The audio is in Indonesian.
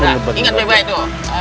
ingat beba itu